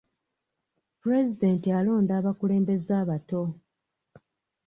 Pulezidenti alonda abakulembeze abato.